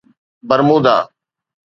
Bermuda